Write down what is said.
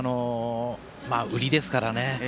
売りですからね。